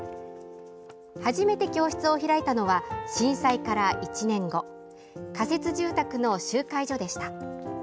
初めて教室を開いたのは震災から１年後仮設住宅の集会所でした。